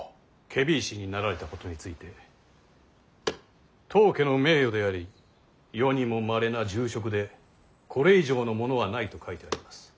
検非違使になられたことについて「当家の名誉であり世にもまれな重職でこれ以上のものはない」と書いてあります。